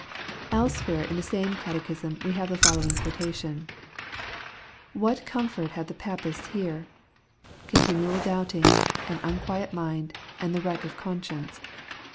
Elsewhere in the same Catechism we have the foUowing quotation :* Whai comfort have the Papists here? Continual doubting, an unquiet mind, and the wreck of conscience.